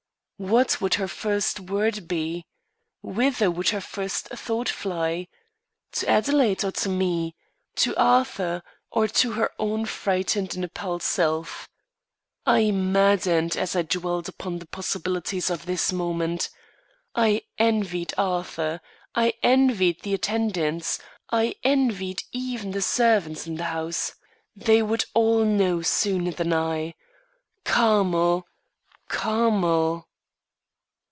What would her first word be? Whither would her first thought fly? To Adelaide or to me; to Arthur or to her own frightened and appalled self? I maddened as I dwelt upon the possibilities of this moment. I envied Arthur; I envied the attendants; I envied even the servants in the house. They would all know sooner than I. Carmel! Carmel!